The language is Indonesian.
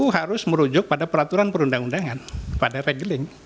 harus merujuk pada peraturan perundang undangan pada regling